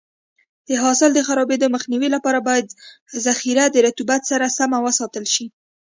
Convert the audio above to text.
د حاصل د خرابېدو مخنیوي لپاره باید ذخیره د رطوبت سره سم وساتل شي.